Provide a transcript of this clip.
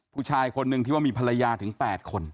ผู้ชายคนหนึ่งที่ว่ามีภรรยาถึง๘คน